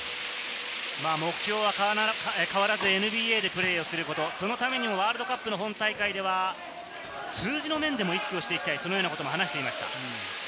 目標は変わらずＮＢＡでプレーをすること、そのためにワールドカップの本大会では、数字の面でも意識をしていきたいと話していました。